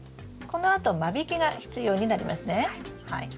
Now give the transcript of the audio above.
このあと間引きが必要になりますね。